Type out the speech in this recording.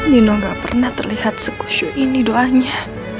nino gak pernah terlihat sekusyuk ini doanya